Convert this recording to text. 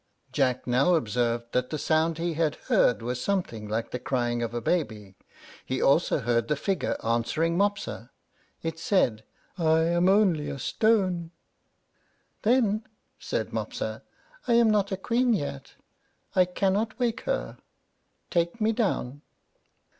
Jack now observed that the sound he had heard was something like the crying of a baby. He also heard the figure answering Mopsa. It said, "I am only a stone!" "Then," said Mopsa, "I am not a queen yet. I cannot wake her. Take me down."